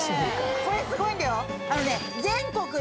これすごいんだよ。